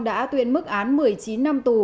đã tuyên mức án một mươi chín năm tù